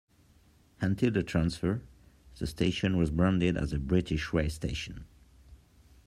Until the transfer, the station was branded as a British Rail station.